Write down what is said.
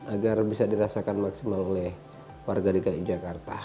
agar bisa dirasakan maksimal oleh warga dki jakarta